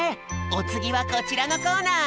おつぎはこちらのコーナー。